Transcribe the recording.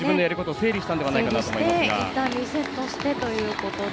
整理して、いったんリセットしてということで。